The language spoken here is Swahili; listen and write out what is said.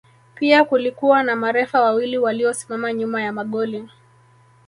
Pia kulikuwa na marefa wawili waliosimama nyuma ya magoli